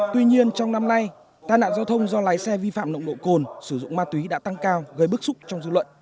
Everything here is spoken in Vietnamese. tuy nhiên trong năm nay tai nạn giao thông do lái xe vi phạm nồng độ cồn sử dụng ma túy đã tăng cao gây bức xúc trong dư luận